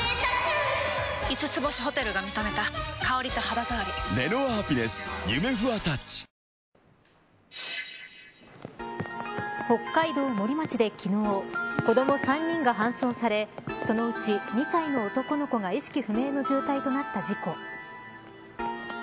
３人が病院に運ばれ北海道森町で昨日子ども３人が搬送されそのうち２歳の男の子が意識不明の重体となった事故。